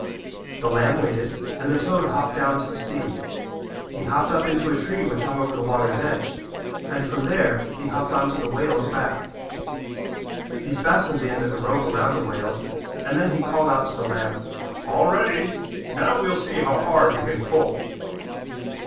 The lamb waited and the toad hopped down to the sea. He hopped up into a tree which hung over the water's edge and from there he hopped on to the whale's back. He fastened the end of the rope around the whale and then he called out to the lamb: "All ready. Now we'll see how hard you can pull."